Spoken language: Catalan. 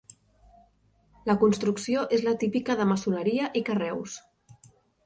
La construcció és la típica de maçoneria i carreus.